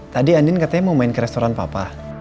tadi andin katanya mau main ke restoran papa